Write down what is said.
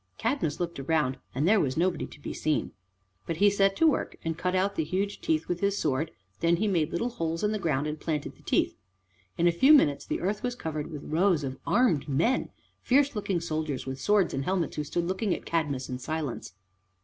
Cadmus looked round and there was nobody to be seen. But he set to work and cut out the huge teeth with his sword, and then he made little holes in the ground and planted the teeth. In a few minutes the earth was covered with rows of armed men, fierce looking soldiers with swords and helmets who stood looking at Cadmus in silence.